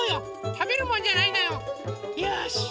たべるもんじゃないんだよ。よし！